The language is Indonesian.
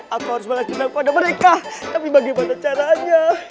aku harus balas dendam pada mereka tapi bagaimana caranya